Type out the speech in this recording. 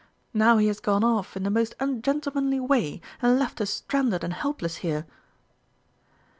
Now he has gone off in the most ungentlemanly way, and left us stranded and helpless here!"